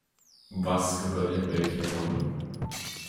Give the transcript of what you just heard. Was gehört in welche Tonne?